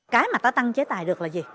cái mà ta tăng chế tài được là gì